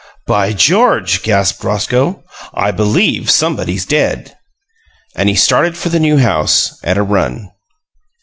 "By George!" gasped Roscoe. "I believe somebody's dead!" And he started for the New House at a run.